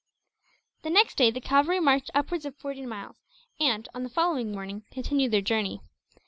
The next day the cavalry marched upwards of forty miles and, on the following morning, continued their journey.